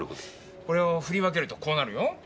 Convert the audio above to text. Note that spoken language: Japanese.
これを振り分けるとこうなるよ。